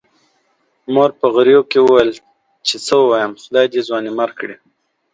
مور په غريو کې وويل چې څه ووايم، خدای دې ځوانيمرګ کړي.